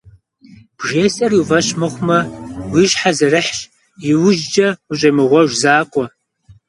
Бжесӏэр уи фӏэщ мыхъумэ, уи щхьэ зэрыхьщ, иужькӏэ ущӏемыгъуэж закъуэ.